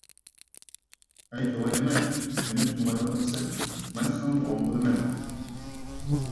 ھەي جۇۋايىنىمەك، مېنى تونۇمايۋاتامسەن، مەن سېنىڭ بوۋاڭ بولىمەن.